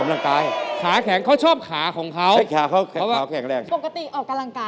แล้วก็ต้องใช้ขึ้นลงคือลง